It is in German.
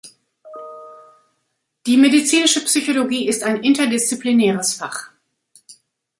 Die Medizinische Psychologie ist ein interdisziplinäres Fach.